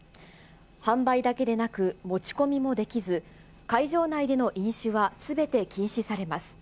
販売だけでなく、持ち込みもできず、会場内での飲酒はすべて禁止されます。